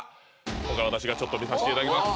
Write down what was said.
今回私がちょっと見させていただきます